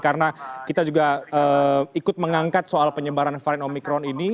karena kita juga ikut mengangkat soal penyebaran varian omikron ini